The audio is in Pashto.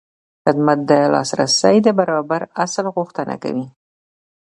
خدمت د لاسرسي د برابر اصل غوښتنه کوي.